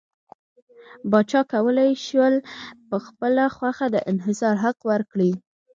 پاچا کولای شول په خپله خوښه د انحصار حق ورکړي.